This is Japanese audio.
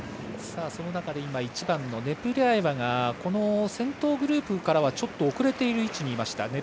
その中で１番のネプリャエワが先頭グループからはちょっと遅れている位置でした。